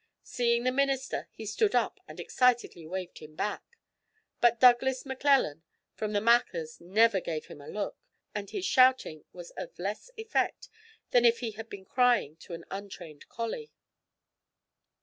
Seeing the minister, he stood up and excitedly waved him back. But Douglas Maclellan from the Machars never gave him a look, and his shouting was of less effect than if he had been crying to an untrained collie.